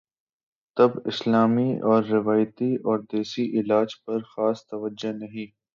طب اسلامی اور روایتی اور دیسی علاج پرخاص توجہ نہیں